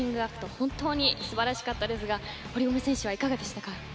本当に素晴らしかったですが堀米選手はいかがでしたか。